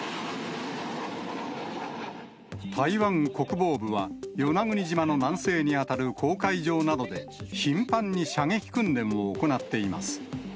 台湾国防部は、与那国島の南西に当たる公海上などで、頻繁に射撃訓練を行っています。